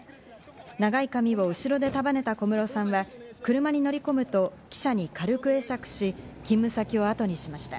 長い髪を後ろで束ねた小室さんは車に乗り込むと、記者に軽く会釈し、勤務先をあとにしました。